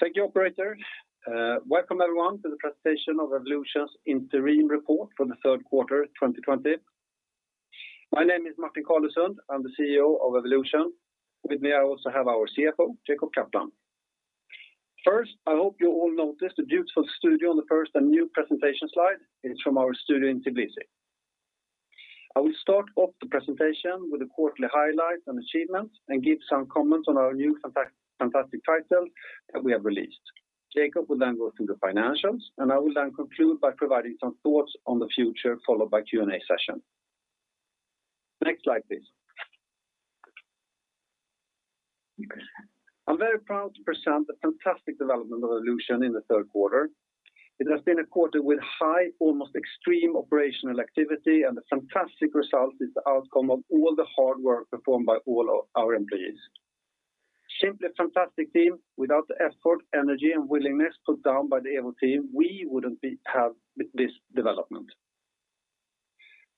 Thank you, operator. Welcome everyone to the presentation of Evolution's interim report for the third quarter 2020. My name is Martin Carlesund. I'm the CEO of Evolution. With me, I also have our CFO, Jacob Kaplan. First, I hope you all noticed the beautiful studio on the first and new presentation slide. It's from our studio in Tbilisi. I will start off the presentation with the quarterly highlights and achievements and give some comments on our new fantastic titles that we have released. Jacob will then go through the financials, and I will then conclude by providing some thoughts on the future, followed by Q&A session. Next slide, please. I'm very proud to present the fantastic development of Evolution in the third quarter. It has been a quarter with high, almost extreme operational activity, and the fantastic result is the outcome of all the hard work performed by all our employees. Simply a fantastic team. Without the effort, energy, and willingness put down by the Evo team, we wouldn't have this development.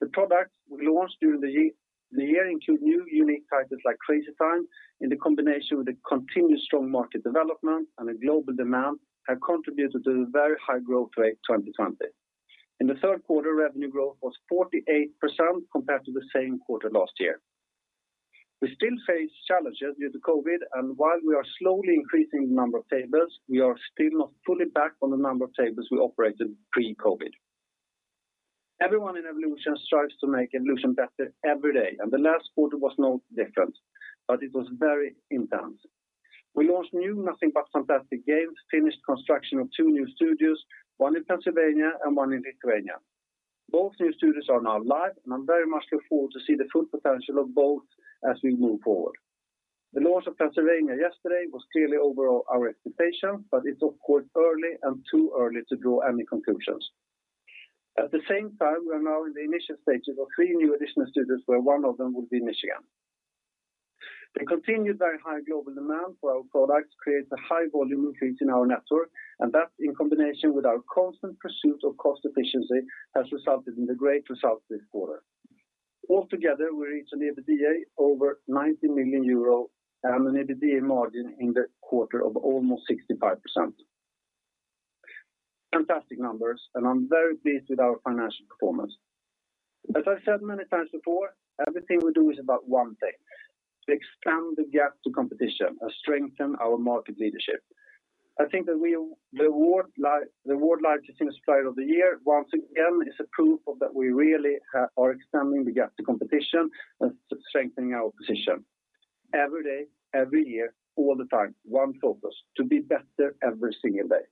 The products we launched during the year include new unique titles like Crazy Time, and the combination with the continuous strong market development and a global demand have contributed to the very high growth rate 2020. In the third quarter, revenue growth was 48% compared to the same quarter last year. We still face challenges due to COVID, and while we are slowly increasing the number of tables, we are still not fully back on the number of tables we operated pre-COVID. Everyone in Evolution strives to make Evolution better every day, and the last quarter was no different, but it was very intense. We launched new nothing but fantastic games, finished construction of two new studios, one in Pennsylvania and one in Lithuania. Both new studios are now live, and I very much look forward to see the full potential of both as we move forward. The launch of Pennsylvania yesterday was clearly over our expectations, but it's of course early and too early to draw any conclusions. At the same time, we are now in the initial stages of three new additional studios, where one of them will be Michigan. The continued very high global demand for our products creates a high volume increase in our network, and that in combination with our constant pursuit of cost efficiency has resulted in the great results this quarter. Altogether, we reached an EBITDA over 90 million euro and an EBITDA margin in the quarter of almost 65%. Fantastic numbers. I'm very pleased with our financial performance. As I've said many times before, everything we do is about one thing, to expand the gap to competition and strengthen our market leadership. I think that the Award Largest Supplier of the Year once again is a proof of that we really are expanding the gap to competition and strengthening our position. Every day, every year, all the time, one focus, to be better every single day.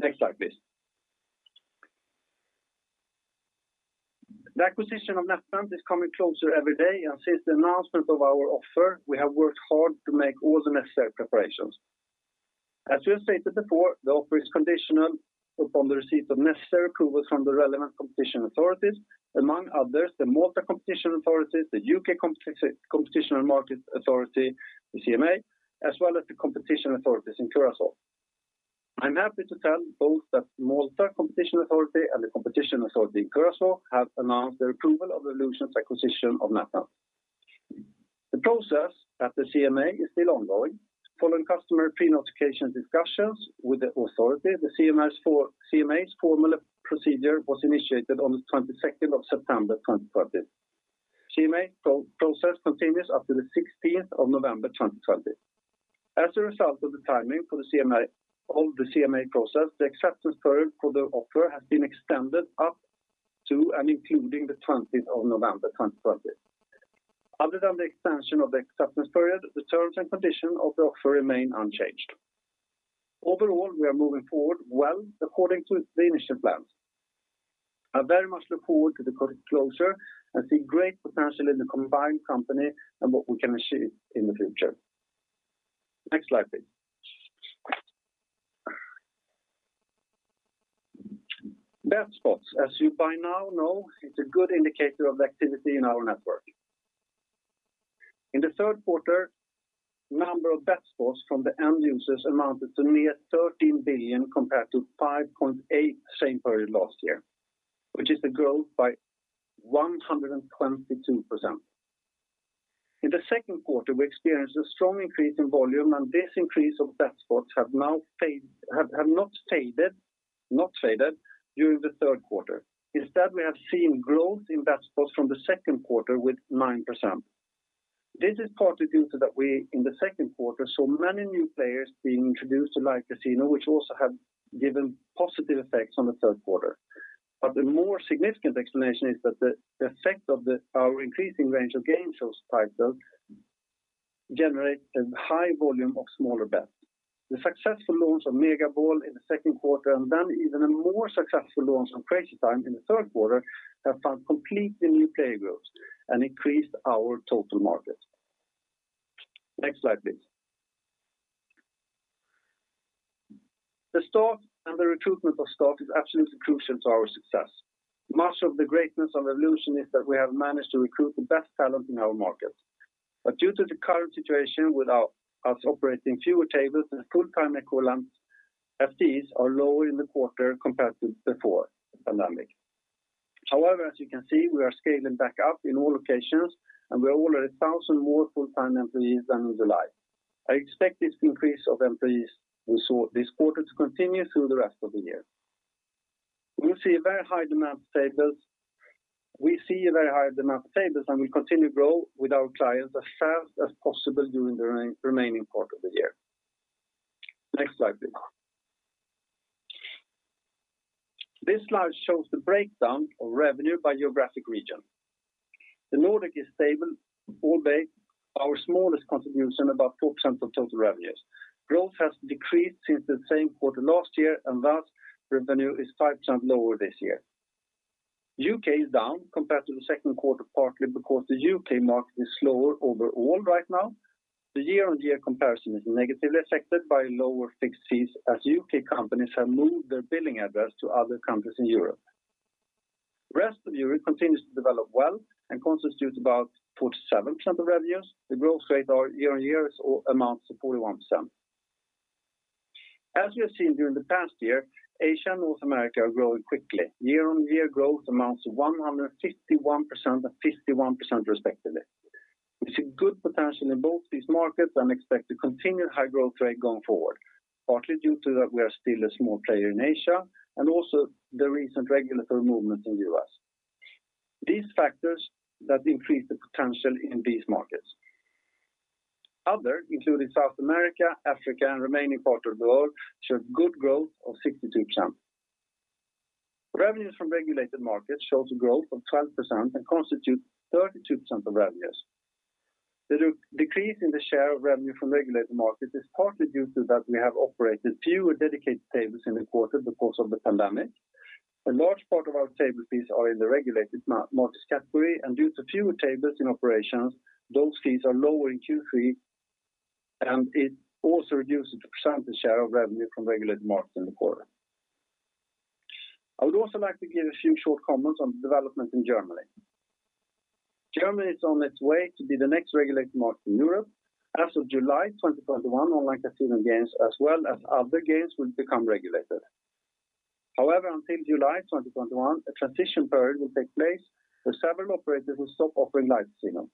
Next slide, please. The acquisition of NetEnt is coming closer every day. Since the announcement of our offer, we have worked hard to make all the necessary preparations. As we have stated before, the offer is conditional upon the receipt of necessary approvals from the relevant competition authorities, among others, the Malta Competition Authority, the U.K. Competition and Markets Authority, the CMA, as well as the competition authorities in Curaçao. I'm happy to tell both that Malta Competition Authority and the Competition Authority in Curaçao have announced their approval of Evolution's acquisition of NetEnt. The process at the CMA is still ongoing. Following customer pre-notification discussions with the authority, the CMA's formal procedure was initiated on 22nd September 2020. CMA process continues up to 16th November, 2020. As a result of the timing for the CMA process, the acceptance period for the offer has been extended up to and including 20th November 2020. Other than the extension of the acceptance period, the terms and conditions of the offer remain unchanged. Overall, we are moving forward well according to the initial plans. I very much look forward to the co-closure and see great potential in the combined company and what we can achieve in the future. Next slide, please. bet spots, as you by now know, it's a good indicator of the activity in our network. In the third quarter, number of bet spots from the end users amounted to near 13 billion compared to 5.8 billion the same period last year, which is a growth by 122%. In the second quarter, we experienced a strong increase in volume, and this increase of bet spots have not faded during the third quarter. Instead, we have seen growth in bet spots from the second quarter with 9%. This is partly due to that we in the second quarter saw many new players being introduced to Live Casino, which also have given positive effects on the third quarter. The more significant explanation is that the effect of our increasing range of game shows titles generate a high volume of smaller bets. The successful launch of Mega Ball in the second quarter then even a more successful launch on Crazy Time in the third quarter have found completely new player groups and increased our total market. Next slide, please. The staff and the recruitment of staff is absolutely crucial to our success. Much of the greatness of Evolution is that we have managed to recruit the best talent in our market. Due to the current situation with us operating fewer tables and full-time equivalents, FTEs are lower in the quarter compared to before the pandemic. As you can see, we are scaling back up in all locations, and we are already 1,000 more full-time employees than in July. I expect this increase of employees we saw this quarter to continue through the rest of the year. We see a very high demand for tables, and we continue to grow with our clients as fast as possible during the remaining part of the year. Next slide, please. This slide shows the breakdown of revenue by geographic region. The Nordic is stable, albeit our smallest contribution, about 4% of total revenues. Growth has decreased since the same quarter last year. Thus revenue is 5% lower this year. U.K. is down compared to the second quarter, partly because the U.K. market is slower overall right now. The year-on-year comparison is negatively affected by lower fixed fees, as U.K. companies have moved their billing address to other countries in Europe. Rest of Europe continues to develop well and constitutes about 47% of revenues. The growth rate or year-on-year amounts to 41%. As we have seen during the past year, Asia and North America are growing quickly. Year-on-year growth amounts to 151% and 51% respectively. We see good potential in both these markets and expect to continue high growth rate going forward, partly due to that we are still a small player in Asia and also the recent regulatory movements in the U.S. These factors that increase the potential in these markets. Other, including South America, Africa, and remaining part of the world, showed good growth of 62%. Revenues from regulated markets shows a growth of 12% and constitutes 32% of revenues. The decrease in the share of revenue from regulated markets is partly due to that we have operated fewer dedicated tables in the quarter because of the pandemic. A large part of our table fees are in the regulated markets category, and due to fewer tables in operations, those fees are lower in Q3, and it also reduces the percentage share of revenue from regulated markets in the quarter. I would also like to give a few short comments on development in Germany. Germany is on its way to be the next regulated market in Europe. As of July 2021, online casino games as well as other games will become regulated. However, until July 2021, a transition period will take place where several operators will stop offering Live Casino.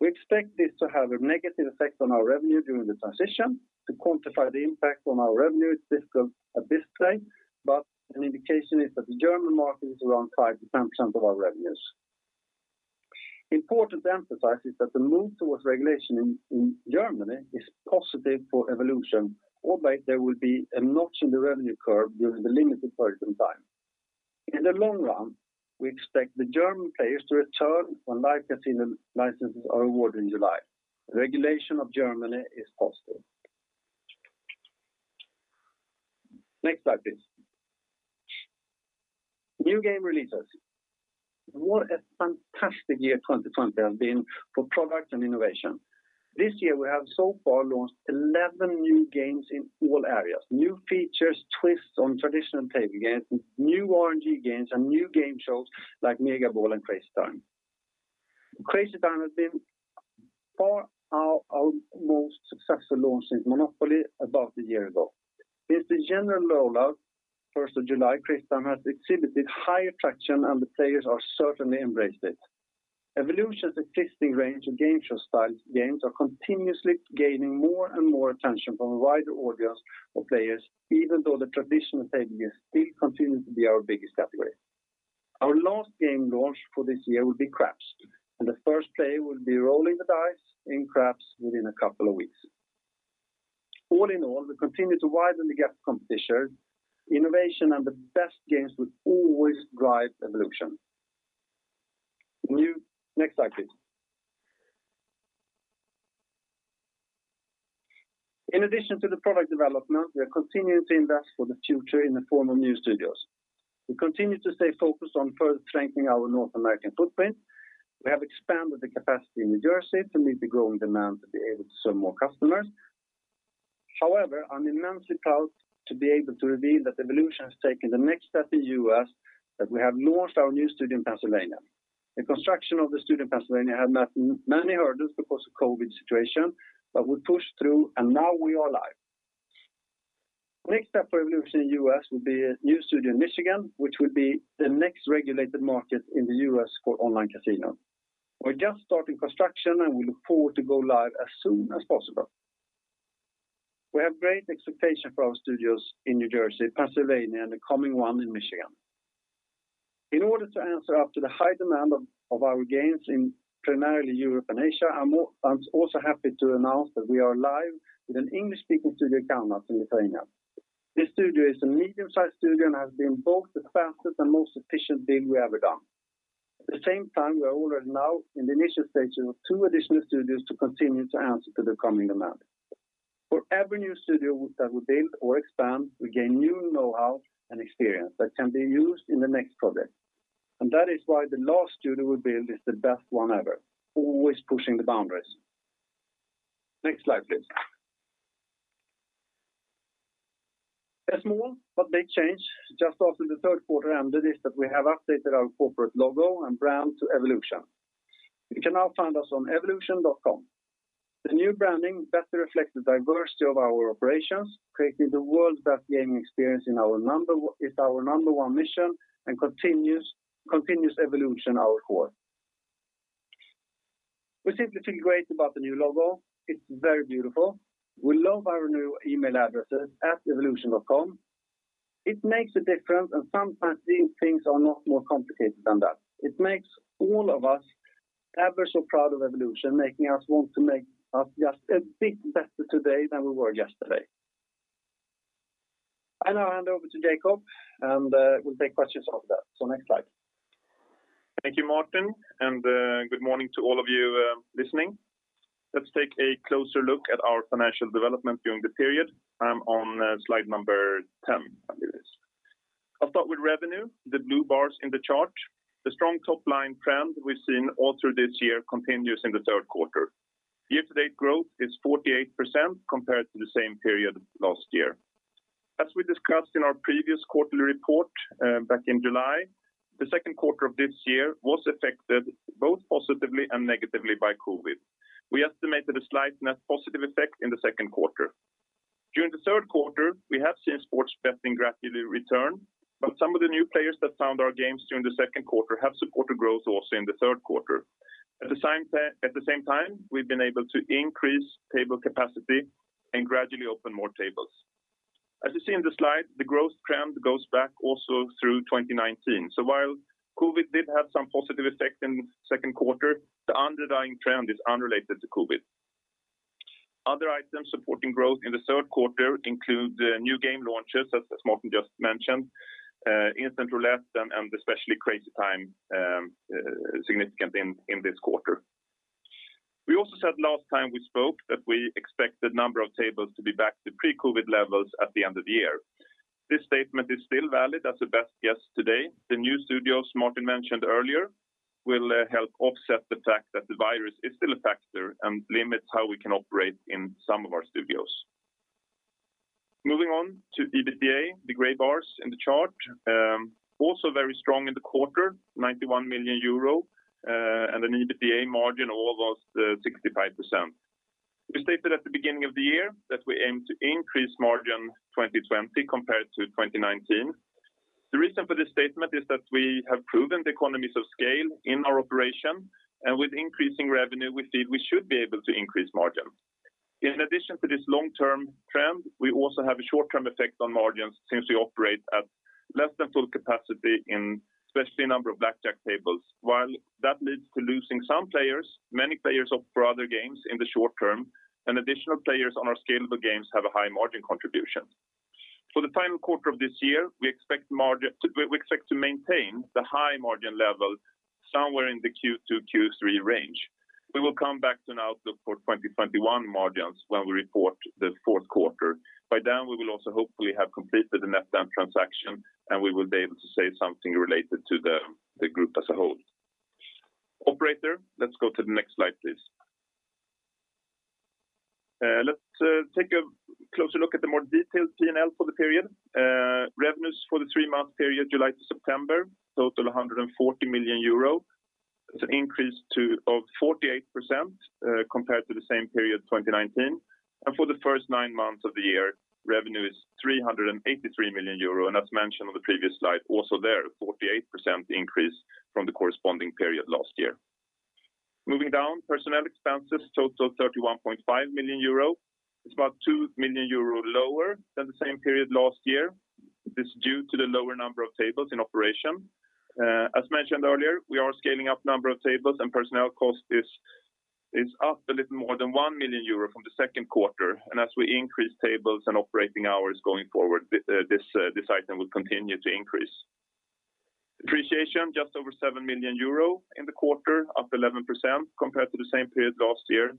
We expect this to have a negative effect on our revenue during the transition. To quantify the impact on our revenue, it's difficult at this stage, but an indication is that the German market is around 5%-10% of our revenues. Important to emphasize is that the move towards regulation in Germany is positive for Evolution, albeit there will be a notch in the revenue curve during the limited transition time. In the long run, we expect the German players to return when Live Casino licenses are awarded in July. Regulation of Germany is possible. Next slide, please. New game releases. What a fantastic year 2020 has been for product and innovation. This year, we have so far launched 11 new games in all areas, new features, twists on traditional table games, new RNG games, and new game shows like Mega Ball and Crazy Time. Crazy Time has been far our most successful launch since MONOPOLY about 1 year ago. Since the general rollout 1st of July, Crazy Time has exhibited high attraction, and the players are certainly embraced it. Evolution's existing range of game show-style games are continuously gaining more and more attention from a wider audience of players, even though the traditional table games still continue to be our biggest category. Our last game launch for this year will be Craps, and the first player will be rolling the dice in Craps within a couple of weeks. All in all, we continue to widen the gap to competitors. Innovation and the best games will always drive Evolution. Next slide, please. In addition to the product development, we are continuing to invest for the future in the form of new studios. We continue to stay focused on further strengthening our North American footprint. We have expanded the capacity in New Jersey to meet the growing demand to be able to serve more customers. However, I'm immensely proud to be able to reveal that Evolution has taken the next step in the U.S., that we have launched our new studio in Pennsylvania. The construction of the studio in Pennsylvania had met many hurdles because of the COVID situation, we pushed through, and now we are live. Next step for Evolution in the U.S. will be a new studio in Michigan, which will be the next regulated market in the U.S. for online casino. We're just starting construction, we look forward to go live as soon as possible. We have great expectation for our studios in New Jersey, Pennsylvania, and the coming one in Michigan. In order to answer up to the high demand of our games in primarily Europe and Asia, I'm also happy to announce that we are live with an English-speaking studio in Kaunas in Lithuania. This studio is a medium-sized studio and has been both the fastest and most efficient build we have ever done. At the same time, we are already now in the initial stages of 2 additional studios to continue to answer to the coming demand. For every new studio that we build or expand, we gain new know-how and experience that can be used in the next project. That is why the last studio we build is the best one ever, always pushing the boundaries. Next slide, please. A small but big change just after the third quarter ended is that we have updated our corporate logo and brand to Evolution. You can now find us on evolution.com. The new branding better reflects the diversity of our operations, creating the world's best gaming experience is our number one mission and continuous evolution our core. We simply feel great about the new logo. It's very beautiful. We love our new email addresses @evolution.com. It makes a difference, sometimes these things are not more complicated than that. It makes all of us ever so proud of Evolution, making us want to make us just a bit better today than we were yesterday. I now hand over to Jacob, and we'll take questions after that. Next slide. Thank you, Martin, and good morning to all of you listening. Let's take a closer look at our financial development during the period, on slide number 10, I believe it is. I'll start with revenue, the blue bars in the chart. The strong top-line trend we've seen all through this year continues in the third quarter. Year-to-date growth is 48% compared to the same period last year. As we discussed in our previous quarterly report, back in July, the second quarter of this year was affected both positively and negatively by COVID. We estimated a slight net positive effect in the second quarter. During the third quarter, we have seen sports betting gradually return, some of the new players that found our games during the second quarter have supported growth also in the third quarter. At the same time, we've been able to increase table capacity and gradually open more tables. As you see in the slide, the growth trend goes back also through 2019. While COVID did have some positive effect in the second quarter, the underlying trend is unrelated to COVID. Other items supporting growth in the third quarter include new game launches, as Martin just mentioned, Instant Roulette and especially Crazy Time, significant in this quarter. We also said last time we spoke that we expect the number of tables to be back to pre-COVID levels at the end of the year. This statement is still valid as a best guess today. The new studios Martin mentioned earlier will help offset the fact that the virus is still a factor and limits how we can operate in some of our studios. Moving on to EBITDA, the gray bars in the chart. Also very strong in the quarter, 91 million euro, and an EBITDA margin of almost 65%. We stated at the beginning of the year that we aim to increase margin 2020 compared to 2019. The reason for this statement is that we have proven the economies of scale in our operation, and with increasing revenue, we feel we should be able to increase margin. In addition to this long-term trend, we also have a short-term effect on margins since we operate at less than full capacity in especially number of blackjack tables. While that leads to losing some players, many players opt for other games in the short term, and additional players on our scalable games have a high margin contribution. For the final quarter of this year, we expect to maintain the high margin level somewhere in the Q2, Q3 range. We will come back to an outlook for 2021 margins when we report the fourth quarter. By then, we will also hopefully have completed the NetEnt transaction, and we will be able to say something related to the group as a whole. Operator, let's go to the next slide, please. Let's take a closer look at the more detailed P&L for the period. Revenues for the three-month period, July to September, total 140 million euro. It's an increase of 48% compared to the same period 2019. For the first nine months of the year, revenue is 383 million euro. As mentioned on the previous slide, also there, a 48% increase from the corresponding period last year. Moving down, personnel expenses total 31.5 million euro. It's about 2 million euro lower than the same period last year. This is due to the lower number of tables in operation. As mentioned earlier, we are scaling up number of tables, and personnel cost is up a little more than 1 million euro from the second quarter. As we increase tables and operating hours going forward, this item will continue to increase. Depreciation just over 7 million euro in the quarter, up 11% compared to the same period last year.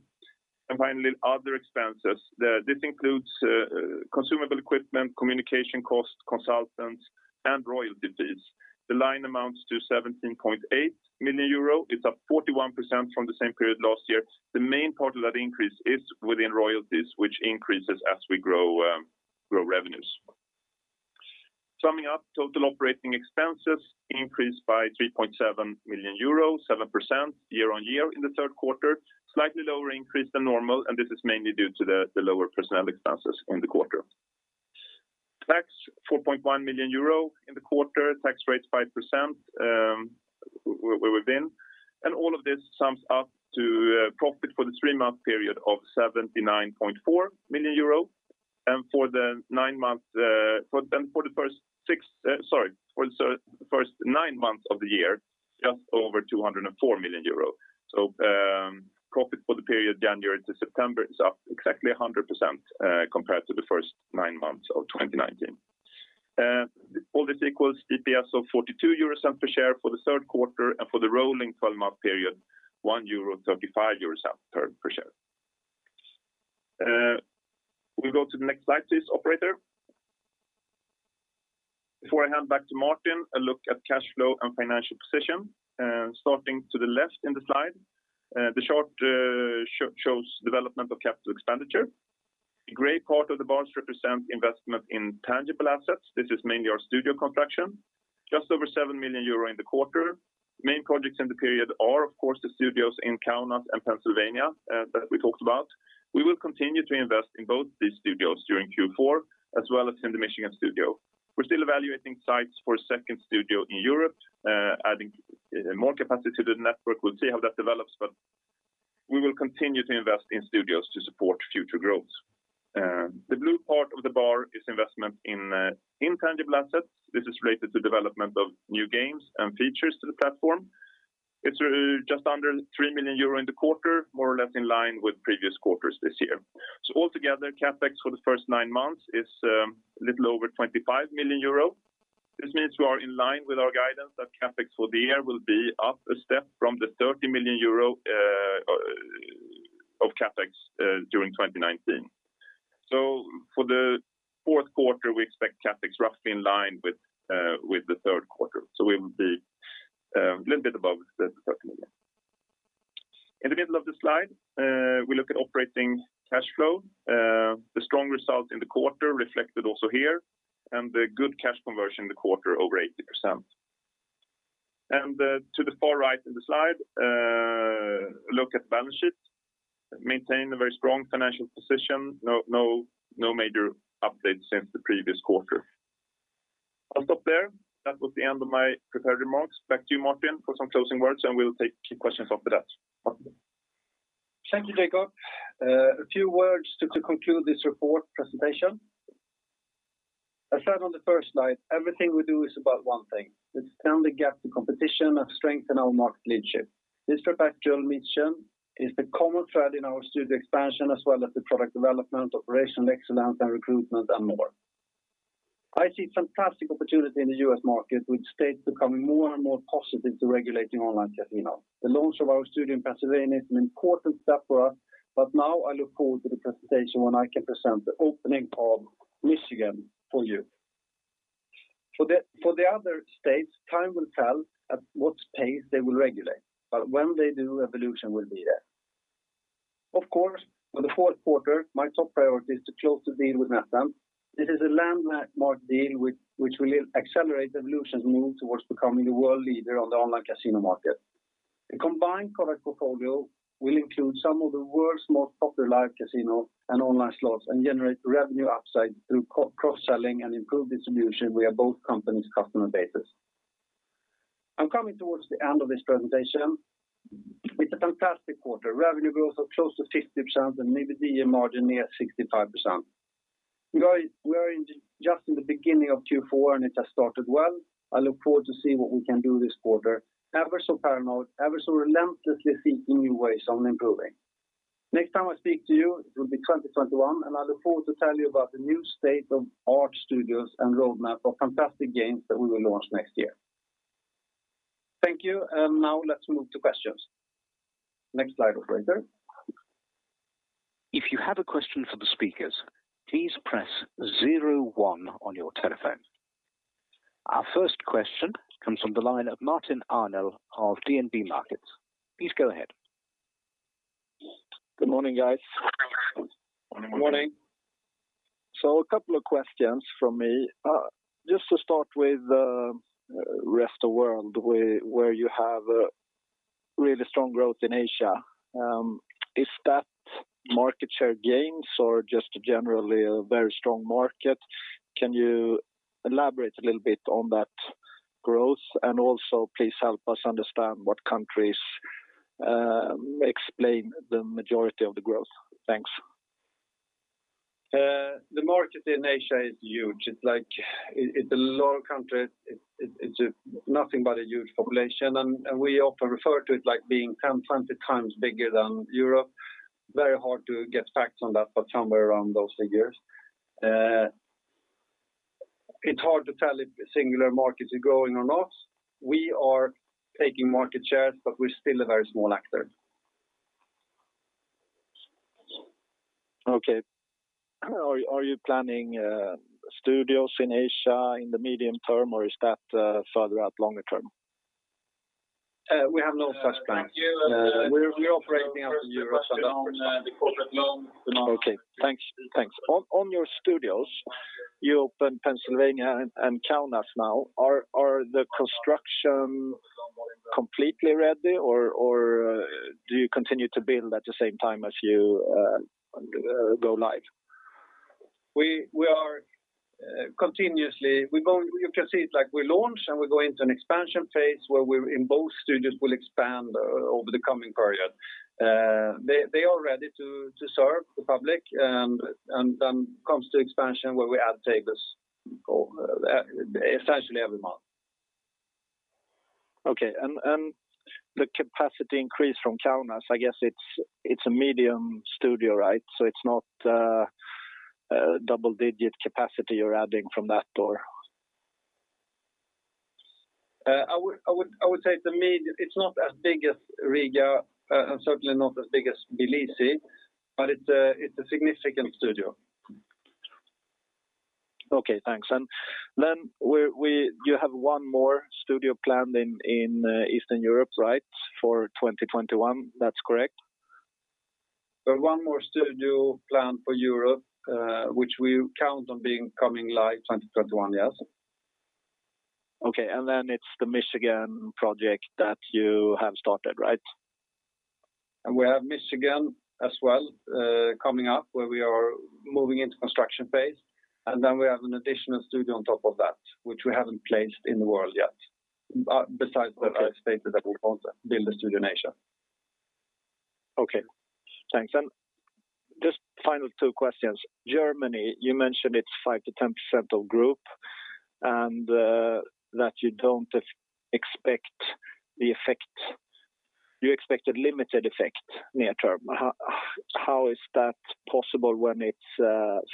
Finally, other expenses. This includes consumable equipment, communication costs, consultants, and royalties. The line amounts to 17.8 million euro. It's up 41% from the same period last year. The main part of that increase is within royalties, which increases as we grow revenues. Summing up, total operating expenses increased by 3.7 million euros, 7% year-on-year in the third quarter. Slightly lower increase than normal, this is mainly due to the lower personnel expenses in the quarter. Tax, 4.1 million euro in the quarter. Tax rate 5% within. All of this sums up to profit for the three-month period of 79.4 million euro. For the first nine months of the year, just over 204 million euros. Profit for the period January to September is up exactly 100% compared to the first nine months of 2019. All this equals EPS of 0.42 per share for the 3rd quarter, and for the rolling 12-month period, 1.35 euro per share. We go to the next slide please, operator. Before I hand back to Martin, a look at cash flow and financial position. Starting to the left in the slide, the chart shows development of capital expenditure. The gray part of the bars represent investment in tangible assets. This is mainly our studio construction, just over 7 million euro in the quarter. Main projects in the period are, of course, the studios in Kaunas and Pennsylvania that we talked about. We will continue to invest in both these studios during Q4 as well as in the Michigan studio. We're still evaluating sites for a second studio in Europe, adding more capacity to the network. We'll see how that develops. We will continue to invest in studios to support future growth. The blue part of the bar is investment in intangible assets. This is related to development of new games and features to the platform. It's just under 3 million euro in the quarter, more or less in line with previous quarters this year. Altogether, CapEx for the first nine months is a little over 25 million euro. This means we are in line with our guidance that CapEx for the year will be up a step from the 30 million euro of CapEx during 2019. For the fourth quarter, we expect CapEx roughly in line with the third quarter. We will be a little bit above the EUR 30 million. In the middle of the slide, we look at operating cash flow. The strong results in the quarter reflected also here, and the good cash conversion in the quarter over 80%. To the far right of the slide, look at balance sheet. Maintain a very strong financial position. No major updates since the previous quarter. I'll stop there. That was the end of my prepared remarks. Back to you, Martin, for some closing words, and we'll take questions after that. Martin? Thank you, Jacob. A few words to conclude this report presentation. I said on the 1st slide, everything we do is about 1 thing, it's to extend the gap to competition and strengthen our market leadership. This perpetual mission is the common thread in our studio expansion as well as the product development, operational excellence and recruitment and more. I see fantastic opportunity in the U.S. market with states becoming more and more positive to regulating online casino. The launch of our studio in Pennsylvania is an important step for us, now I look forward to the presentation when I can present the opening of Michigan for you. For the other states, time will tell at what pace they will regulate, when they do, Evolution will be there. Of course, for the fourth quarter, my top priority is to close the deal with NetEnt. It is a landmark deal which will accelerate Evolution's move towards becoming the world leader on the online casino market. The combined product portfolio will include some of the world's most popular Live Casino and online slots and generate revenue upside through co-cross-selling and improved distribution via both companies' customer bases. I'm coming towards the end of this presentation. It's a fantastic quarter. Revenue growth of close to 50% and EBITDA margin near 65%. We are just in the beginning of Q4, and it has started well. I look forward to see what we can do this quarter, ever so paranoid, ever so relentlessly seeking new ways on improving. Next time I speak to you, it will be 2021, and I look forward to tell you about the new state-of-the-art studios and roadmap of fantastic games that we will launch next year. Thank you, now let's move to questions. Next slide, operator. If you have a question for the speakers, please press zero one on your telephone. Our first question comes from the line of Martin Arnell of DNB Markets. Please go ahead. Good morning, guys. Morning. Morning. A couple of questions from me. Just to start with, rest of world, where you have really strong growth in Asia, is that market share gains or just generally a very strong market? Can you elaborate a little bit on that growth? Please help us understand what countries explain the majority of the growth. Thanks. The market in Asia is huge. It's like, it's a lot of countries. It's nothing but a huge population, and we often refer to it like being 10, 20 times bigger than Europe. Very hard to get facts on that, but somewhere around those figures. It's hard to tell if singular markets are growing or not. We are taking market shares, but we're still a very small actor. Okay. Are you planning studios in Asia in the medium term, or is that further out longer term? We have no such plan. We're operating out of Europe at that point in time. Okay, thanks. On your studios, you opened Pennsylvania and Kaunas now. Are the construction completely ready or do you continue to build at the same time as you go live? We are continuously. You can see it like we launch, and we go into an expansion phase where we, in both studios will expand over the coming period. They are ready to serve the public, and then comes to expansion where we add tables or essentially every month. Okay, the capacity increase from Kaunas, I guess it's a medium studio, right? It's not a double-digit capacity you're adding from that door. I would say it's not as big as Riga, and certainly not as big as Tbilisi, but it's a significant studio. Okay, thanks. Then you have one more studio planned in Eastern Europe, right? For 2021. That's correct? There's one more studio planned for Europe, which we count on being coming live 2021, yes. Okay. Then it's the Michigan project that you have started, right? We have Michigan as well, coming up, where we are moving into construction phase. We have an additional studio on top of that, which we haven't placed in the world yet. Besides that. Okay I stated that we want to build a studio in Asia. Okay, thanks. Just final two questions. Germany, you mentioned it's 5%-10% of group, that you expect a limited effect near term. How is that possible when it's 5%-10%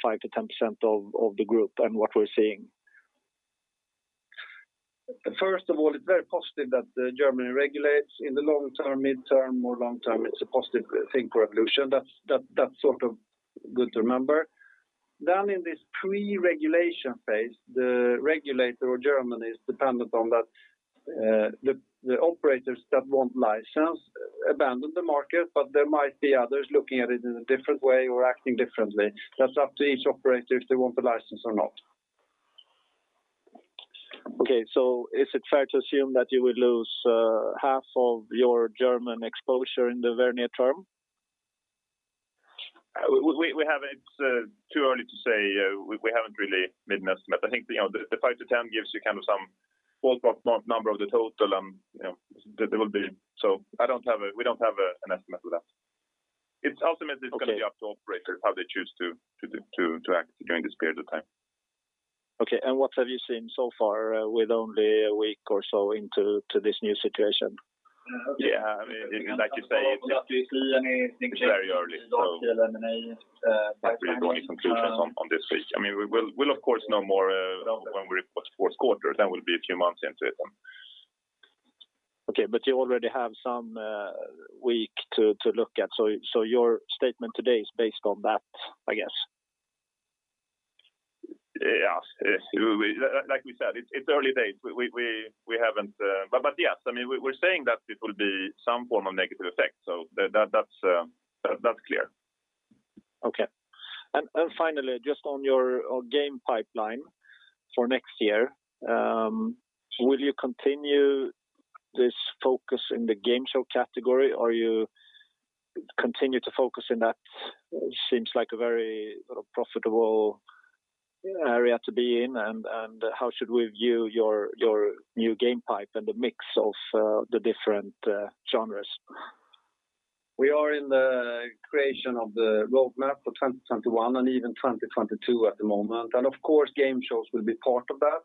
of the group and what we're seeing? First of all, it's very positive that Germany regulates in the long term, midterm, more long term, it's a positive thing for Evolution. That's sort of good to remember. In this pre-regulation phase, the regulator of Germany is dependent on that the operators that want license abandon the market, but there might be others looking at it in a different way or acting differently. That's up to each operator if they want the license or not. Okay. Is it fair to assume that you would lose half of your German exposure in the very near term? It's too early to say. We haven't really made an estimate. I think, you know, the 5-10 gives you kind of some ballpark number of the total, you know, that there will be. We don't have an estimate for that. Okay It's gonna be up to operators how they choose to act during this period of time. Okay. What have you seen so far with only a week or so into this new situation? Yeah. Like you say, it's very early, can't really draw any conclusions on this week. I mean, we'll of course know more when we report fourth quarter, then we'll be a few months into it then. Okay. You already have some week to look at. Your statement today is based on that, I guess. Yeah. Like we said, it's early days. We haven't. Yes, I mean, we're saying that it will be some form of negative effect, so that's clear. Okay. Finally, just on your game pipeline for next year, will you continue this focus in the game show category? Or you continue to focus in that seems like a very profitable area to be in, and how should we view your new game pipe and the mix of the different genres? We are in the creation of the roadmap for 2021 and even 2022 at the moment. Of course, game shows will be part of that.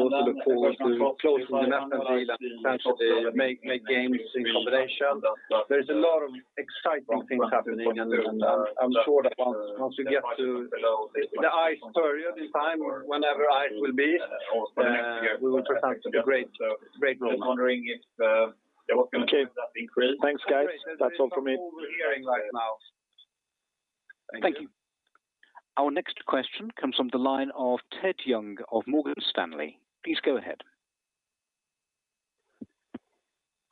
Also look forward to closing the NetEnt deal and potentially make games in combination. There is a lot of exciting things happening, and I'm sure that once we get to the ICE period in time, whenever ICE will be, we will present a great roadmap. Okay. Thanks, guys. That's all from me. Thank you. Our next question comes from the line of Ed Young of Morgan Stanley. Please go ahead.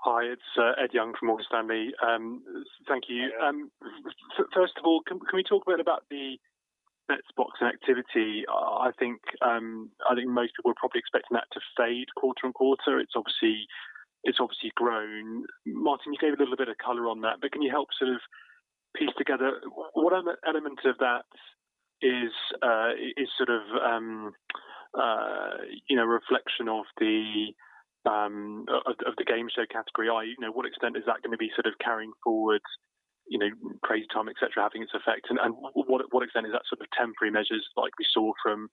Hi, it's Ed Young from Morgan Stanley. Thank you. First of all, can we talk a bit about the bet spots activity? I think most people are probably expecting that to fade quarter and quarter. It's obviously grown. Martin, you gave a little bit of color on that, but can you help sort of piece together what element of that is sort of, you know, reflection of the of the game show category? You know, what extent is that gonna be sort of carrying forward, you know, Crazy Time, et cetera, having its effect? What extent is that sort of temporary measures like we saw from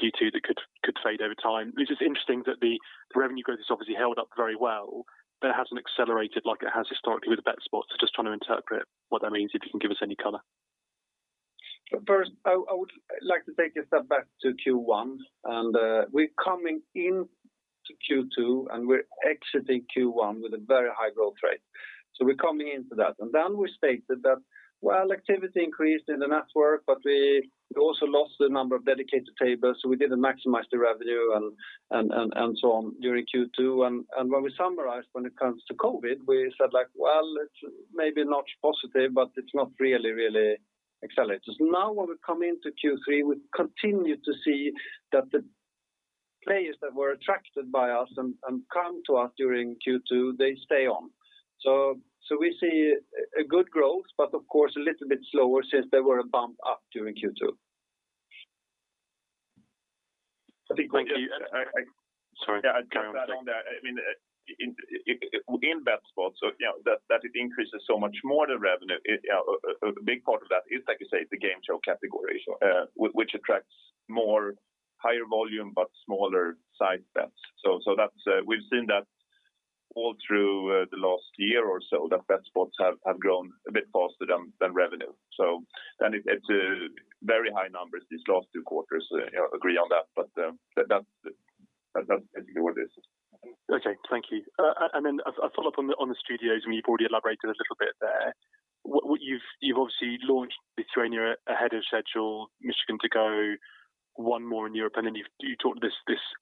Q2 that could fade over time? It's just interesting that the revenue growth has obviously held up very well, but it hasn't accelerated like it has historically with the bet spots. Just trying to interpret what that means, if you can give us any color. First, I would like to take a step back to Q1, and we're coming into Q2, we're exiting Q1 with a very high growth rate. We're coming into that. We stated that, well, activity increased in the network, but we also lost a number of dedicated tables, so we didn't maximize the revenue and so on during Q2. When we summarized, when it comes to COVID, we said like, "Well, it's maybe not positive, but it's not really accelerated." Now, when we come into Q3, we continue to see that the players that were attracted by us and come to us during Q2, they stay on. We see a good growth, but of course, a little bit slower since there were a bump up during Q2. Thank you. Sorry. Carry on, Ed. I'd add that on that. I mean, in bet spots, that it increases so much more the revenue. A big part of that is, like you say, the game show category, which attracts more higher volume but smaller side bets. That's, we've seen that all through the last year or so, that bet spots have grown a bit faster than revenue. It's very high numbers these last two quarters, you know, agree on that. That's basically what it is. Okay. Thank you. Then a follow-up on the, on the studios. I mean, you've already elaborated a little bit there. What, what you've obviously launched Lithuania ahead of schedule, Michigan to go one more in Europe, then you talked this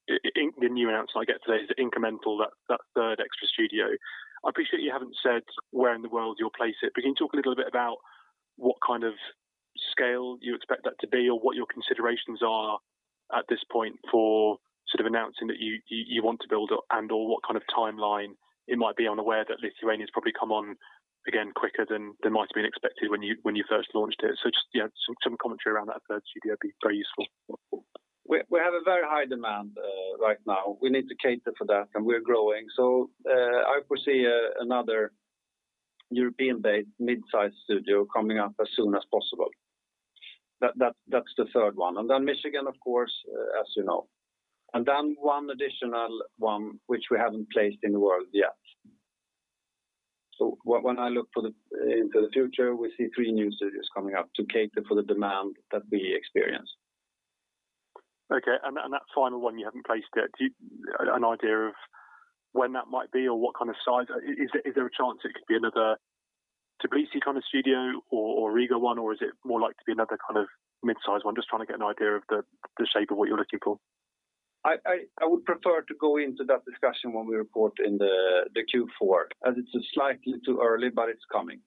the new announcement I get today is incremental, that third extra studio. I appreciate you haven't said where in the world you'll place it. Can you talk a little bit about what kind of scale you expect that to be or what your considerations are at this point for sort of announcing that you, you want to build up and/or what kind of timeline it might be on aware that Lithuania's probably come on again quicker than might've been expected when you, when you first launched it. Just, you know, some commentary around that third studio would be very useful. We have a very high demand right now. We need to cater for that, we're growing. I foresee another European-based mid-sized studio coming up as soon as possible. That's the third one. Then Michigan, of course, as you know. Then one additional one which we haven't placed in the world yet. When I look into the future, we see three new studios coming up to cater for the demand that we experience. Okay. That final one you haven't placed yet. An idea of when that might be or what kind of size? Is there a chance it could be another Tbilisi kind of studio or Riga one, or is it more likely to be another kind of mid-sized one? Just trying to get an idea of the shape of what you are looking for. I would prefer to go into that discussion when we report in the Q4, as it's slightly too early, but it's coming.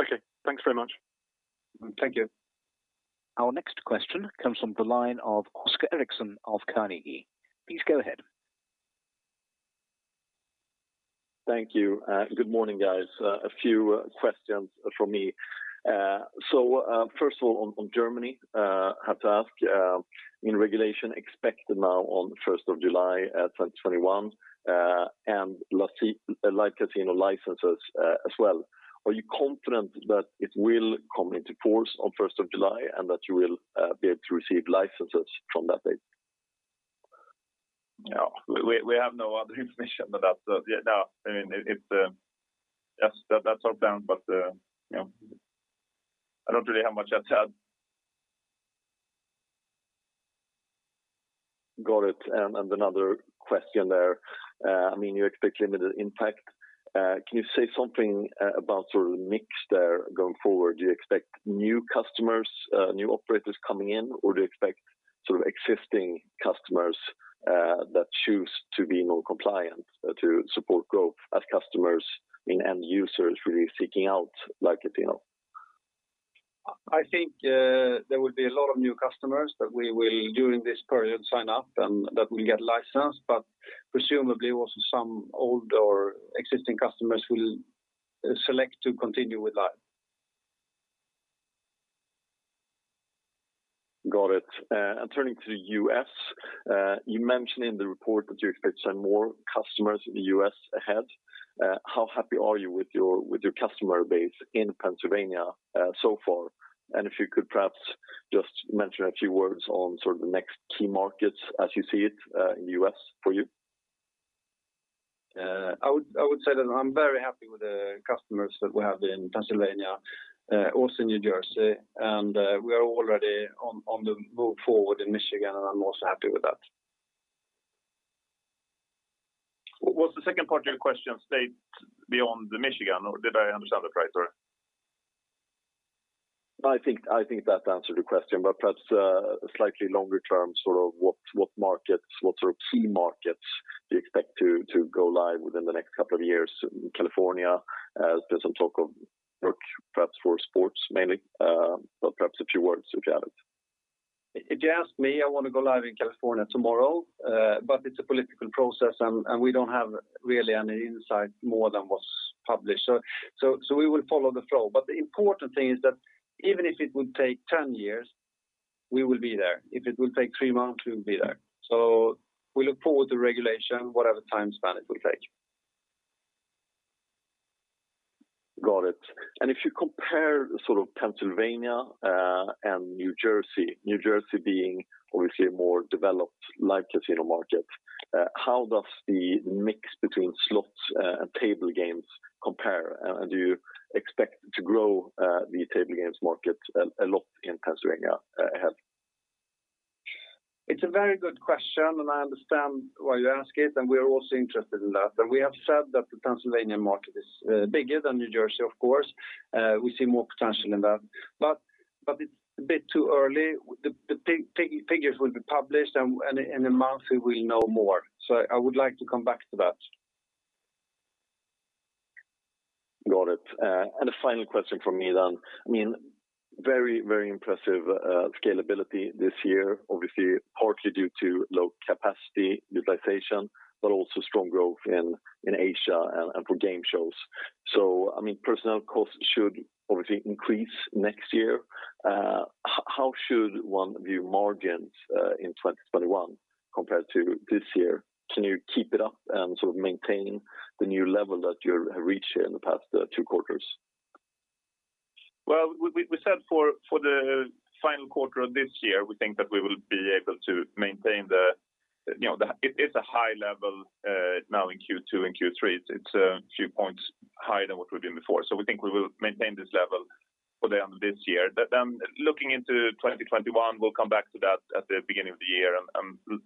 Okay. Thanks very much. Thank you. Our next question comes from the line of Oscar Erixon of Carnegie. Please go ahead. Thank you. Good morning, guys. A few questions from me. First of all, on Germany, have to ask, I mean, regulation expected now on the 1st of July, 2021, and Live Casino licenses as well. Are you confident that it will come into force on 1st of July and that you will be able to receive licenses from that date? Yeah. We have no other information than that. Yeah, no. I mean, Yes, that's our plan, but, you know, I don't really have much else add. Got it. Another question there. I mean, you expect limited impact. Can you say something about sort of the mix there going forward? Do you expect new customers, new operators coming in, or do you expect sort of existing customers that choose to be more compliant to support growth as customers and end users really seeking out Live Casino? I think there will be a lot of new customers that we will, during this period, sign up and that will get licensed, but presumably also some old or existing customers will select to continue with that. Got it. Turning to the U.S., you mentioned in the report that you expect some more customers in the U.S. ahead. How happy are you with your customer base in Pennsylvania so far? If you could perhaps just mention a few words on sort of the next key markets as you see it in the U.S. for you. I would say that I'm very happy with the customers that we have in Pennsylvania, also New Jersey. We are already on the move forward in Michigan. I'm also happy with that. What was the second part of your question? State beyond the Michigan, or did I understand it right? Sorry. I think that answered the question, but perhaps slightly longer term, sort of what markets, what sort of key markets do you expect to go live within the next two years? In California, there's some talk of perhaps for sports mainly, but perhaps a few words if you have it. If you ask me, I wanna go live in California tomorrow. It's a political process and we don't have really any insight more than what's published. We will follow the flow. The important thing is that even if it would take 10 years, we will be there. If it will take three months, we will be there. We look forward to regulation, whatever time span it will take. Got it. If you compare sort of Pennsylvania, and New Jersey, New Jersey being obviously a more developed Live Casino market, how does the mix between slots, and table games compare? Do you expect to grow the table games market a lot in Pennsylvania ahead? It's a very good question, and I understand why you ask it, and we are also interested in that. We have said that the Pennsylvania market is bigger than New Jersey, of course. We see more potential in that. It's a bit too early. The figures will be published and in a month we will know more. I would like to come back to that. Got it. A final question from me then. I mean, very, very impressive scalability this year, obviously partly due to low capacity utilization, but also strong growth in Asia and for game shows. I mean, personnel costs should obviously increase next year. How should one view margins in 2021 compared to this year? Can you keep it up and sort of maintain the new level that you have reached here in the past two quarters? Well, we said for the final quarter of this year, we think that we will be able to maintain the, you know, it is a high level now in Q2 and Q3. It's a few points higher than what we've been before. We think we will maintain this level. For them this year. Looking into 2021, we'll come back to that at the beginning of the year.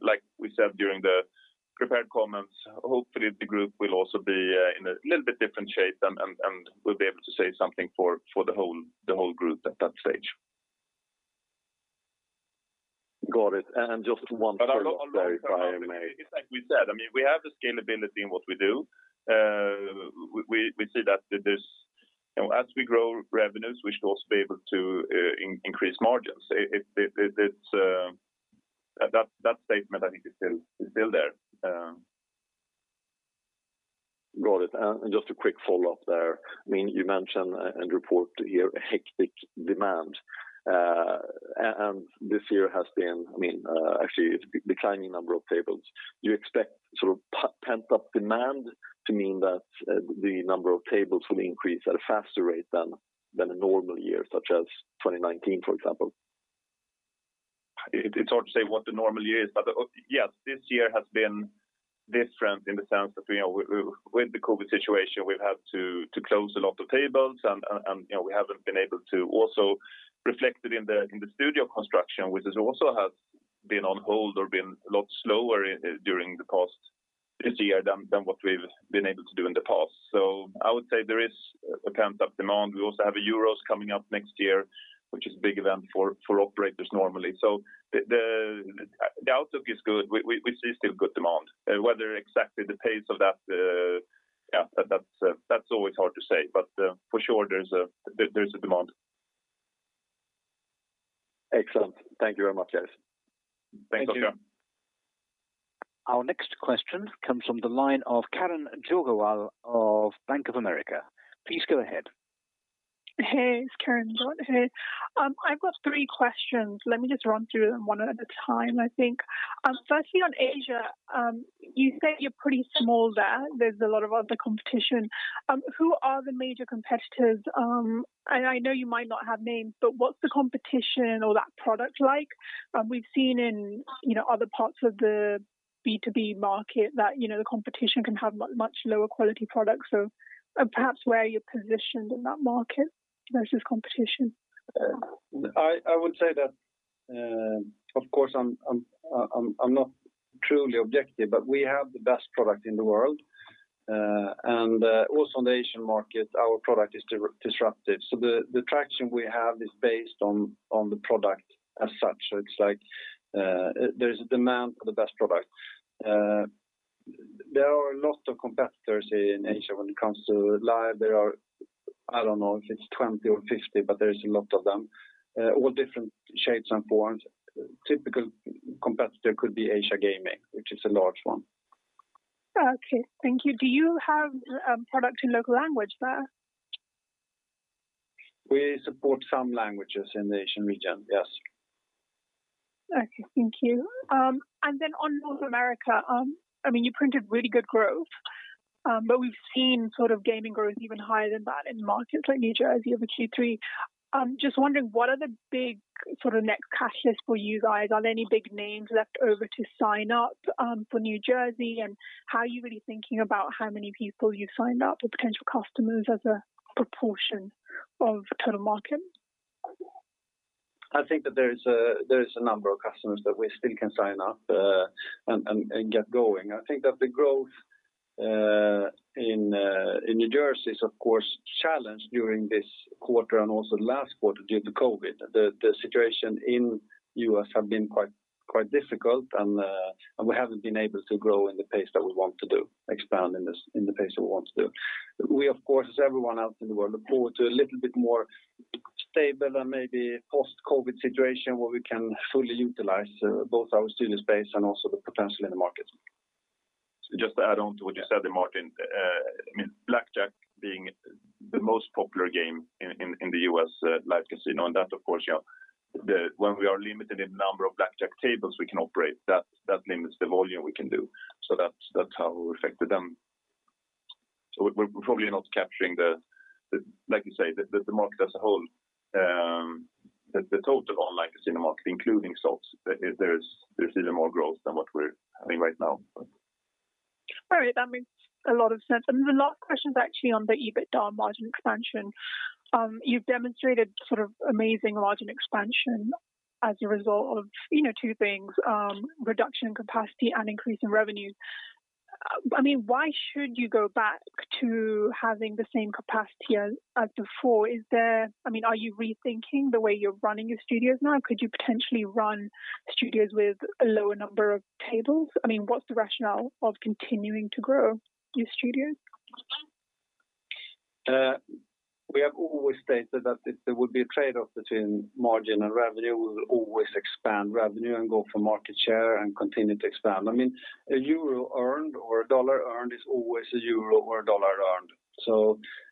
Like we said during the prepared comments, hopefully the group will also be in a little bit different shape and we'll be able to say something for the whole group at that stage. Got it. But I'll- clarify you may it's like we said, I mean, we have the scalability in what we do. We see that You know, as we grow revenues, we should also be able to increase margins. It's That statement I think is still there. Got it. Just a quick follow-up there. I mean, you mentioned and report here a hectic demand. This year has been, I mean, actually it's declining number of tables. Do you expect sort of pent up demand to mean that the number of tables will increase at a faster rate than a normal year, such as 2019, for example? It's hard to say what the normal year is. Yes, this year has been different in the sense that, you know, we, with the COVID situation, we've had to close a lot of tables and, you know, we haven't been able to also reflect it in the studio construction, which has also have been on hold or been a lot slower during the past year than what we've been able to do in the past. I would say there is a pent up demand. We also have a Euros coming up next year, which is a big event for operators normally. The outlook is good. We see still good demand. Whether exactly the pace of that's always hard to say. For sure there's a demand. Excellent. Thank you very much, guys. Thanks, Oscar. Thank you. Our next question comes from the line of Karan Puri of Bank of America. Please go ahead. Hey, it's Karan Puri here. I've got three questions. Let me just run through them one at a time, I think. Firstly, on Asia, you say you're pretty small there. There's a lot of other competition. Who are the major competitors? I know you might not have names, but what's the competition or that product like? We've seen in, you know, other parts of the B2B market that, you know, the competition can have much lower quality products. Perhaps where you're positioned in that market versus competition. I would say that, of course, I'm not truly objective, but we have the best product in the world. Also on the Asian market, our product is disruptive. The traction we have is based on the product as such. It's like there's a demand for the best product. There are a lot of competitors in Asia when it comes to live. There are, I don't know if it's 20 or 50, but there is a lot of them. All different shapes and forms. Typical competitor could be Asia Gaming, which is a large one. Okay. Thank you. Do you have product in local language there? We support some languages in the Asian region, yes. Okay, thank you. Then on North America, I mean, you printed really good growth, but we've seen sort of gaming growth even higher than that in markets like New Jersey over Q3. Just wondering what are the big sort of next catalysts for you guys? Are there any big names left over to sign up for New Jersey? How are you really thinking about how many people you sign up or potential customers as a proportion of total market? I think that there is a number of customers that we still can sign up and get going. I think that the growth in New Jersey is of course challenged during this quarter and also the last quarter due to COVID. The situation in U.S. have been quite difficult and we haven't been able to grow in the pace that we want to do, expand in the pace that we want to do. We of course, as everyone else in the world, look forward to a little bit more stable and maybe post-COVID situation where we can fully utilize both our studio space and also the potential in the market. Just to add on to what you said there, Martin. I mean, blackjack being the most popular game in U.S. Live Casino, that of course, you know, when we are limited in the number of blackjack tables we can operate, that limits the volume we can do. That's how we're affected then. We're probably not capturing the, like you say, the market as a whole. The total online casino market, including slots, there's even more growth than what we're having right now. All right. That makes a lot of sense. The last question is actually on the EBITDA margin expansion. You've demonstrated sort of amazing margin expansion as a result of, you know, two things, reduction in capacity and increase in revenue. I mean, why should you go back to having the same capacity as before? I mean, are you rethinking the way you're running your studios now? Could you potentially run studios with a lower number of tables? I mean, what's the rationale of continuing to grow your studios? We have always stated that there would be a trade-off between margin and revenue. We will always expand revenue and go for market share and continue to expand. I mean, a euro earned or a dollar earned is always a euro or a dollar earned.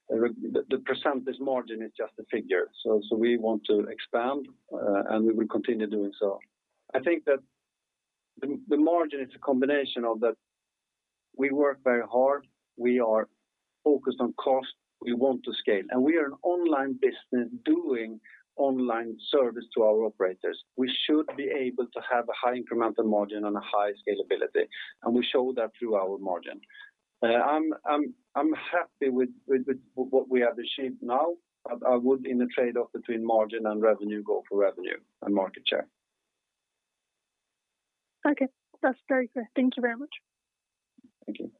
The percentage margin is just a figure. We want to expand, and we will continue doing so. I think that the margin is a combination of that we work very hard, we are focused on cost, we want to scale, and we are an online business doing online service to our operators. We should be able to have a high incremental margin and a high scalability, and we show that through our margin. I'm happy with what we have achieved now. I would in a trade-off between margin and revenue, go for revenue and market share. Okay. That's very clear. Thank you very much. Thank you.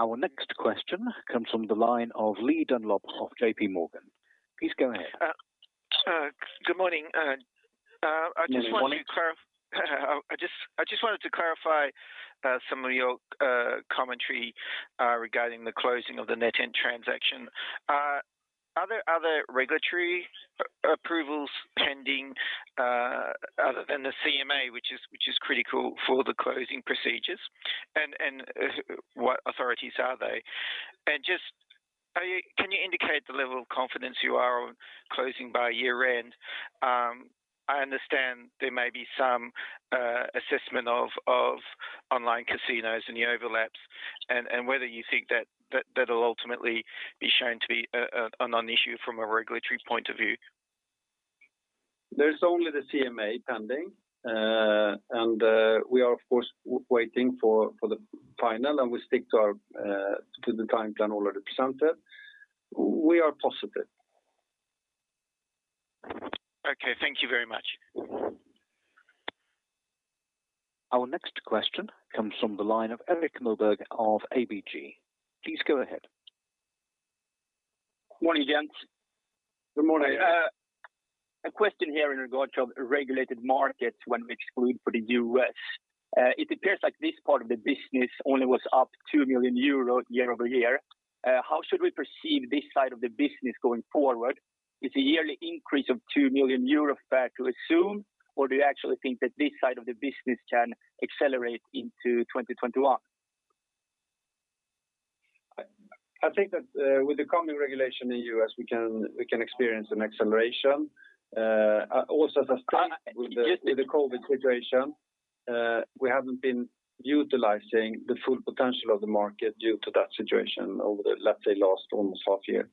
Our next question comes from the line of Li Dunlop of JPMorgan. Please go ahead. Good morning. Good morning. I just wanted to clarify, some of your commentary regarding the closing of the NetEnt transaction. Are there other regulatory approvals pending, other than the CMA, which is critical for the closing procedures? What authorities are they? Just, can you indicate the level of confidence you are on closing by year-end? I understand there may be some assessment of online casinos and the overlaps, and whether you think that that'll ultimately be shown to be a non-issue from a regulatory point of view. There's only the CMA pending. We are of course waiting for the final, and we stick to our to the timeline already presented. We are positive. Okay. Thank you very much. Our next question comes from the line of Erik Moberg of ABG. Please go ahead. Morning, gents. Good morning. A question here in regard to regulated markets when we exclude for the U.S. It appears like this part of the business only was up 2 million euro year-over-year. How should we perceive this side of the business going forward? Is a yearly increase of 2 million euros fair to assume, or do you actually think that this side of the business can accelerate into 2021? I think that, with the coming regulation in U.S., we can experience an acceleration. As I stated. Just- With the COVID situation, we haven't been utilizing the full potential of the market due to that situation over the, let's say, last almost half year.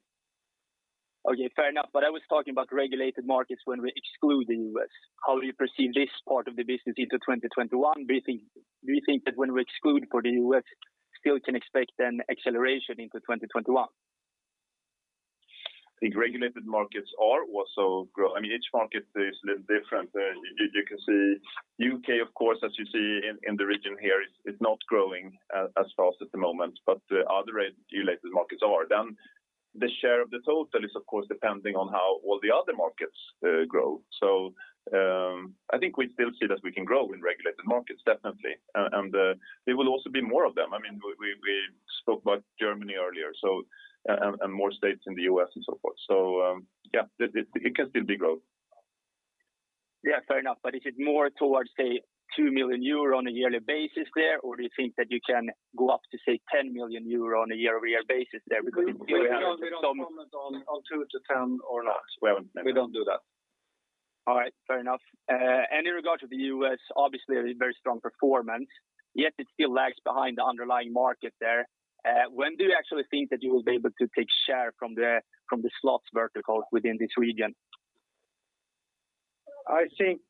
Okay, fair enough. I was talking about regulated markets when we exclude the U.S. How do you perceive this part of the business into 2021? Do you think that when we exclude for the U.S., still can expect an acceleration into 2021? I think regulated markets are also grow. I mean, each market is a little different. You can see U.K. of course, as you see in the region here, is not growing as fast at the moment. Other regulated markets are. The share of the total is of course depending on how all the other markets grow. I think we still see that we can grow in regulated markets, definitely. There will also be more of them. I mean, we spoke about Germany earlier, and more states in the U.S. and so forth. Yeah, it can still be growth. Yeah, fair enough. Is it more towards, say, 2 million euro on a yearly basis there? Do you think that you can go up to, say, 10 million euro on a year-over-year basis there? We don't comment on two to ten or not. We don't do that. All right. Fair enough. In regard to the U.S., obviously a very strong performance, yet it still lags behind the underlying market there. When do you actually think that you will be able to take share from the slots vertical within this region? I think,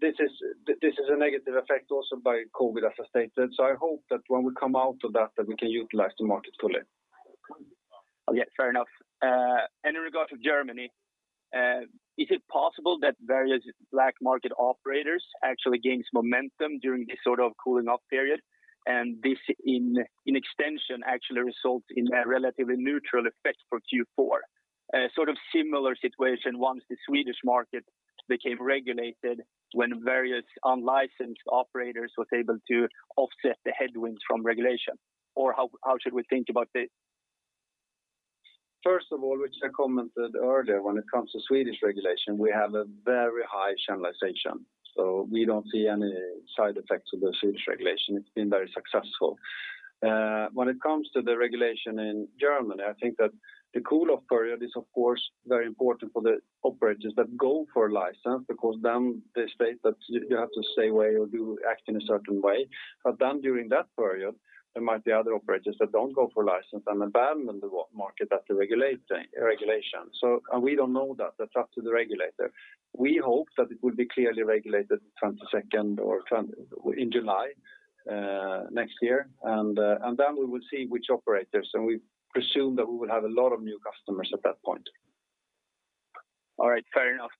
this is a negative effect also by COVID, as I stated. I hope that when we come out of that we can utilize the market fully. Okay. Fair enough. In regard to Germany, is it possible that various black market operators actually gain momentum during this sort of cooling off period, and this in extension actually results in a relatively neutral effect for Q4? Sort of similar situation once the Swedish market became regulated when various unlicensed operators were able to offset the headwinds from regulation. How should we think about this? First of all, which I commented earlier, when it comes to Swedish regulation, we have a very high channelization. We don't see any side effects of the Swedish regulation. It's been very successful. When it comes to the regulation in Germany, I think that the cool-off period is of course very important for the operators that go for a license, because then they state that you have to stay away or act in a certain way. During that period, there might be other operators that don't go for license and abandon the market at the regulation. We don't know that. That's up to the regulator. We hope that it will be clearly regulated 22nd in July next year. We will see which operators, and we presume that we will have a lot of new customers at that point. All right. Fair enough.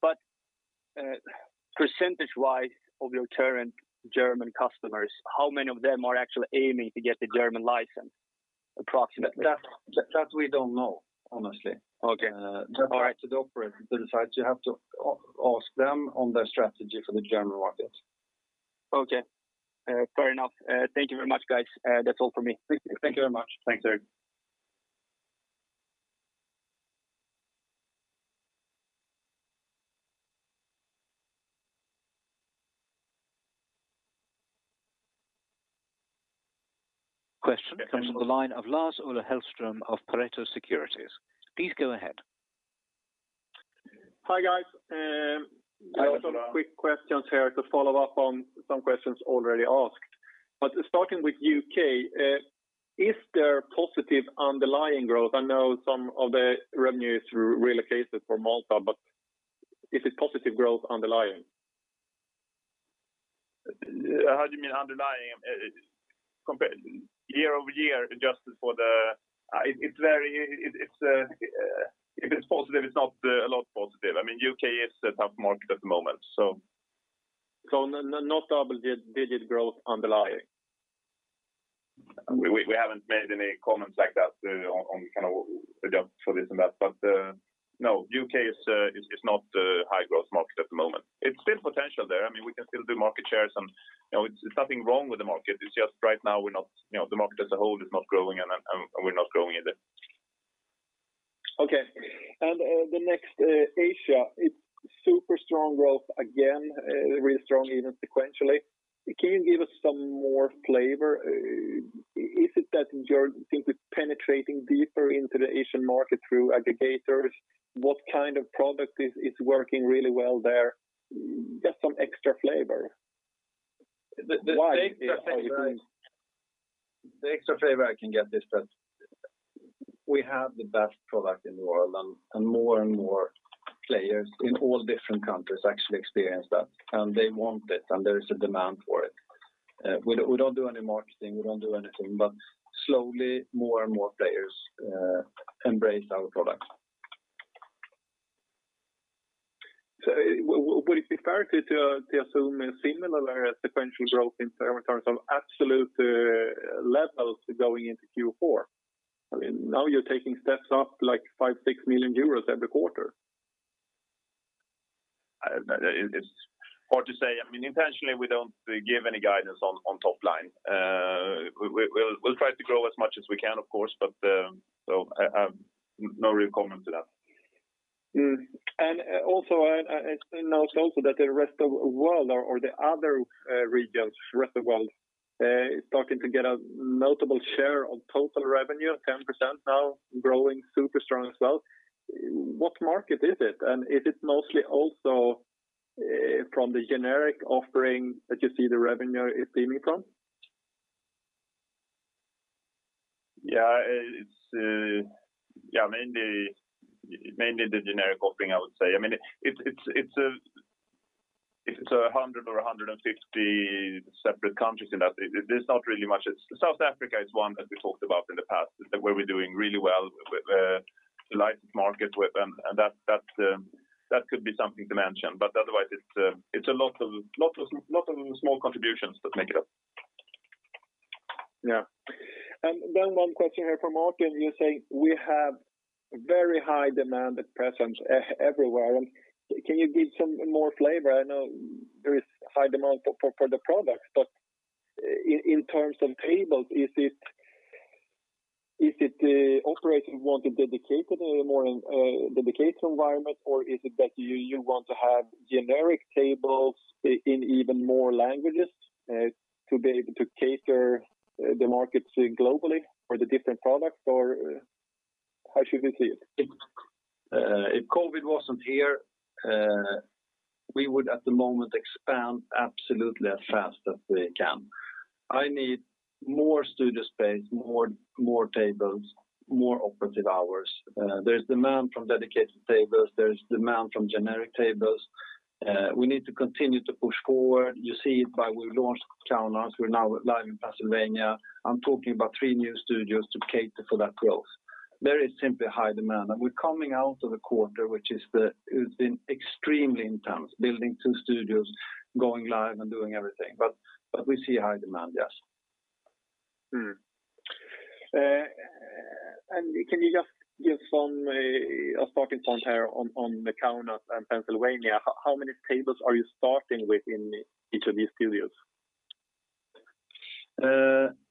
Percentage-wise of your current German customers, how many of them are actually aiming to get the German license, approximately? That we don't know, honestly. Okay. All right. That's up to the operator to decide. You have to ask them on their strategy for the German market. Okay. fair enough. thank you very much, guys. that's all from me. Thank you. Thank you very much. Thanks, Erik. Question comes from the line of Lars-Ola Hellström of Pareto Securities. Please go ahead. Hi, guys. Hi, Lars-Ola I have some quick questions here to follow up on some questions already asked. Starting with U.K., is there positive underlying growth? I know some of the revenue is relocated from Malta, but is it positive growth underlying? How do you mean underlying year-over-year adjusted for the? It's very, it's if it's positive, it's not a lot positive. I mean, U.K. is a tough market at the moment. Not double digit growth underlying? We haven't made any comments like that, on kind of adjust for this and that. No, U.K. is not a high-growth market at the moment. It's still potential there. I mean, we can still do market shares and, you know, it's nothing wrong with the market. It's just right now we're not, you know, the market as a whole is not growing and we're not growing either. Okay. The next Asia, it's super strong growth again, really strong even sequentially. Can you give us some more flavor? Is it that you're, I think, penetrating deeper into the Asian market through aggregators? What kind of product is working really well there? Just some extra flavor. Why is it growing? The extra flavor I can get is that we have the best product in the world and more and more players in all different countries actually experience that, and they want it and there is a demand for it. We don't do any marketing, we don't do anything, slowly more and more players embrace our product. Would it be fair to assume a similar sequential growth in terms of absolute levels going into Q4? I mean, now you're taking steps up like 5 million-6 million euros every quarter. It's hard to say. I mean, intentionally we don't give any guidance on top line. We'll try to grow as much as we can, of course, but so I have no real comment to that. Mm. Also I notice also that the rest of world or the other regions, rest of world, starting to get a notable share of total revenue, 10% now growing super strong as well. What market is it? Is it mostly also from the generic offering that you see the revenue is stemming from? Yeah. It's, yeah, mainly the generic offering, I would say. I mean, it's 100 or 150 separate countries in that. There's not really much. South Africa is one that we talked about in the past where we're doing really well with, licensed market with, and that could be something to mention. Otherwise it's a lot of small contributions that make it up. Yeah. Then one question here from Martin. You say we have very high demand at present, everywhere. Can you give some more flavor? I know there is high demand for the products, in terms of tables, is it the operators want a dedicated more dedicated environment or is it that you want to have generic tables in even more languages, to be able to cater the markets globally for the different products or how should we see it? COVID wasn't here, we would at the moment expand absolutely as fast as we can. I need more studio space, more, more tables, more operative hours. There's demand from dedicated tables, there's demand from generic tables. We need to continue to push forward. You see it by we launched Kaunas, we're now live in Pennsylvania. I'm talking about three new studios to cater for that growth. There is simply high demand. We're coming out of a quarter, it's been extremely intense building two studios, going live and doing everything. We see high demand, yes. Can you just give some a starting point here on the Kaunas and Pennsylvania? How many tables are you starting with in each of these studios?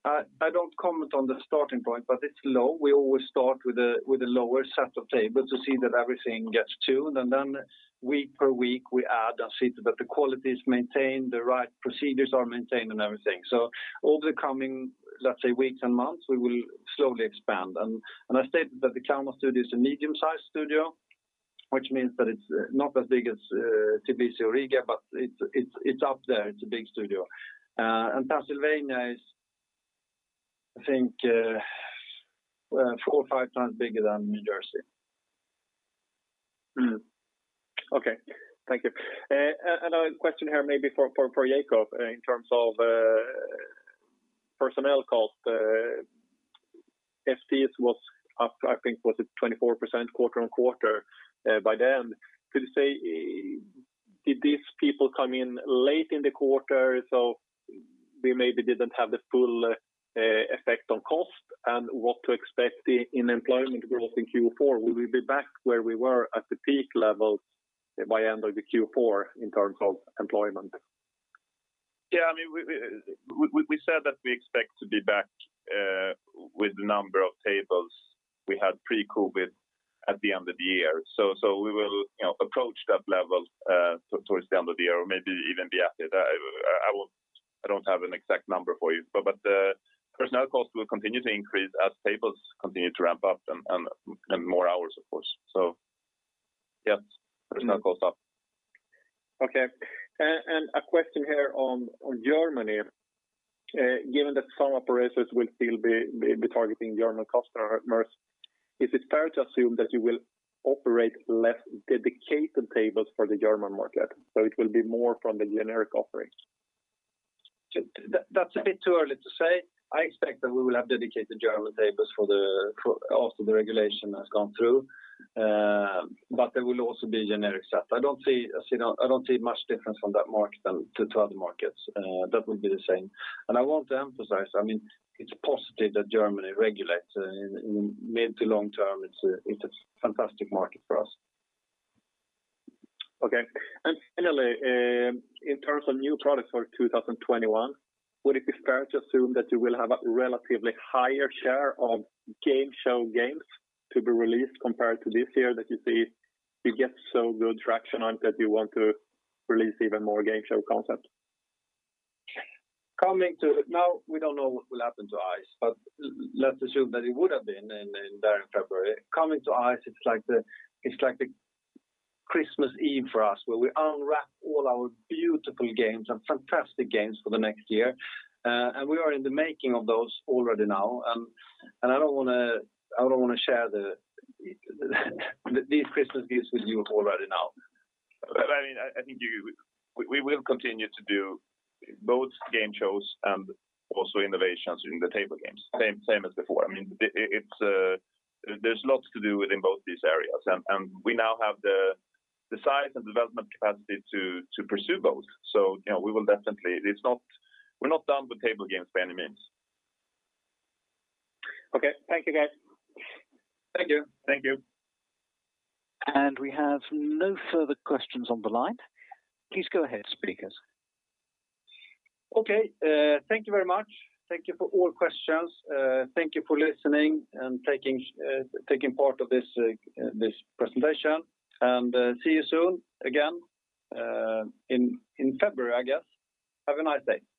I don't comment on the starting point, but it's low. We always start with a lower set of tables to see that everything gets tuned. Then week per week we add and see that the quality is maintained, the right procedures are maintained and everything. Over the coming, let's say, weeks and months, we will slowly expand. I stated that the Kaunas studio is a medium-sized studio, which means that it's not as big as Tbilisi or Riga, but it's up there. It's a big studio. Pennsylvania is, I think, four or five times bigger than New Jersey. Mm. Okay. Thank you. Another question here maybe for Jacob in terms of personnel costs. FTEs was up I think, was it 24% quarter-on-quarter by then. Could you say did these people come in late in the quarter, so they maybe didn't have the full effect on cost? What to expect in employment growth in Q4? Will we be back where we were at the peak level by end of the Q4 in terms of employment? Yeah, I mean, we said that we expect to be back with the number of tables we had pre-COVID at the end of the year. We will, you know, approach that level towards the end of the year or maybe even be after that. I don't have an exact number for you. The personnel costs will continue to increase as tables continue to ramp up and more hours of course. Yes, personnel costs up. Okay. A question here on Germany. Given that some operators will still be targeting German customers, is it fair to assume that you will operate less dedicated tables for the German market, so it will be more from the generic offerings? That's a bit too early to say. I expect that we will have dedicated German tables for the, for after the regulation has gone through. But there will also be generic stuff. I don't see, as you know, I don't see much difference from that market than to other markets. That will be the same. I want to emphasize, I mean, it's positive that Germany regulates. In, in mid to long term, it's a, it's a fantastic market for us. Okay. Finally, in terms of new products for 2021, would it be fair to assume that you will have a relatively higher share of game show games to be released compared to this year that you see you get so good traction on that you want to release even more game show concepts? Coming to it now, we don't know what will happen to ICE, let's assume that it would have been in there in February. Coming to ICE, it's like the Christmas Eve for us, where we unwrap all our beautiful games and fantastic games for the next year. We are in the making of those already now, I don't wanna share these Christmas gifts with you already now. I mean, We will continue to do both game shows and also innovations in the table games. Same as before. I mean, it's there's lots to do within both these areas. We now have the size and development capacity to pursue both. you know, we will definitely We're not done with table games by any means. Okay. Thank you, guys. Thank you. Thank you. We have no further questions on the line. Please go ahead, speakers. Okay. Thank you very much. Thank you for all questions. Thank you for listening and taking part of this presentation. See you soon again in February, I guess. Have a nice day.